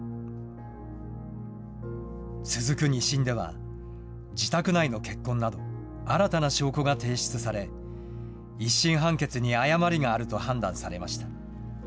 続く２審では、自宅内の血痕など、新たな証拠が提出され、１審判決に誤りがあると判断されました。